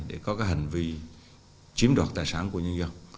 để có cái hành vi chiếm đoạt tài sản của nhân dân